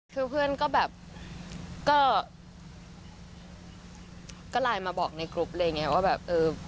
คือเพื่อนก็แบบก็ลายมาบอกในกรุปเลยแบบ